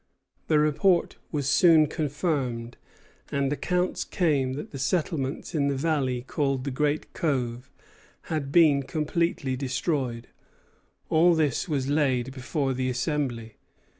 The report was soon confirmed; and accounts came that the settlements in the valley called the Great Cove had been completely destroyed. All this was laid before the Assembly.